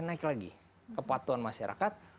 naik lagi kepatuhan masyarakat